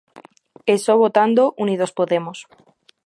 E só votando Unidos Podemos.